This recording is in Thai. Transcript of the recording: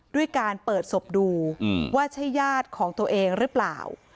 ด้วยการเปิดศพดูว่าใช่ญาติของตัวเองหรือเปล่า